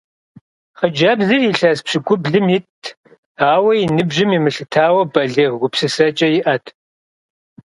Хъыджэбзыр илъэс пщыкӀублым итт, ауэ, и ныбжьым емылъытауэ, балигъ гупсысэкӀэ иӀэт.